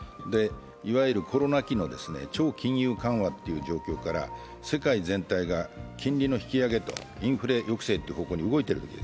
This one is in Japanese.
いわゆるコロナ期の超金融緩和の時代から世界全体が金利の引き上げとインフレ抑制という方向に動いている。